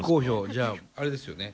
じゃああれですよね？